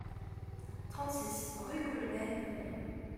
trente-six rue Colonel Fabien